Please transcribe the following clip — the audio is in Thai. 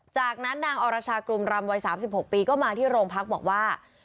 จากนั้นนางอรชากลุ่มรำวัย๓๖ปีก็มาที่โรงพักบอกว่า